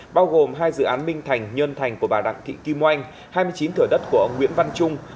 bao gồm hai dự án minh thành nhân thành của bà đặng thị kim oanh hai mươi chín thửa đất của ông nguyễn văn trung